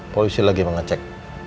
poisi lagi mengecek